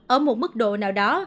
ở một mức độ nào đó